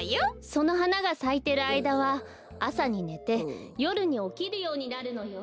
そのはながさいてるあいだはあさにねてよるにおきるようになるのよ。